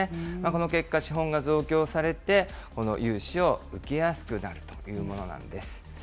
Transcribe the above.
この結果、資本が増強されて、この融資を受けやすくなるというものなんです。